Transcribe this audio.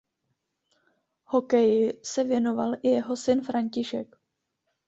Hokeji se věnoval i jeho syn František.